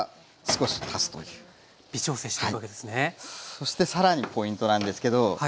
そしてさらにポイントなんですけど。